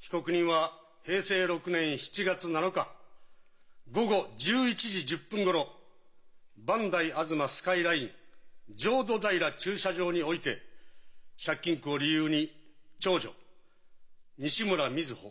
被告人は平成６年７月７日午後１１時１０分ごろ磐梯吾妻スカイライン浄土平駐車場において借金苦を理由に長女西村瑞穂